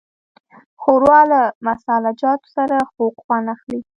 ښوروا له مسالهجاتو سره خوږ خوند اخلي.